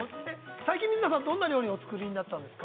最近水田さん、どんな料理をお作りになったんですか。